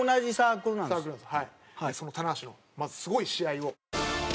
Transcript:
その棚橋のまずすごい試合を。